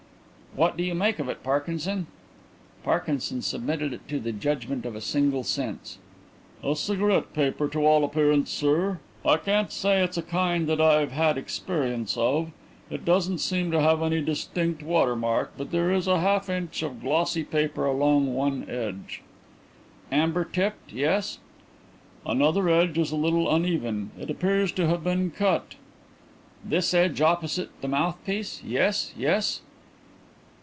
"What do you make of it, Parkinson?" Parkinson submitted it to the judgment of a single sense. "A cigarette paper to all appearance, sir. I can't say it's a kind that I've had experience of. It doesn't seem to have any distinct watermark but there is a half inch of glossy paper along one edge." "Amber tipped. Yes?" "Another edge is a little uneven; it appears to have been cut." "This edge opposite the mouthpiece. Yes, yes."